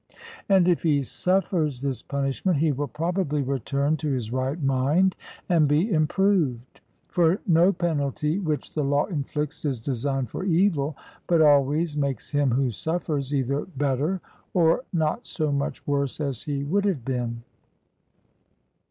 And if he suffers this punishment he will probably return to his right mind and be improved; for no penalty which the law inflicts is designed for evil, but always makes him who suffers either better or not so much worse as he would have been.